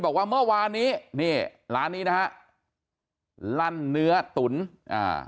บอกว่าเมื่อวานนี้นี่ร้านนี้นะฮะลั่นเนื้อตุ๋นอ่า